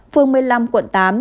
phương một mươi năm quận tám